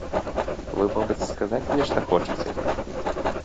Вы, мабыць, сказаць нешта хочаце?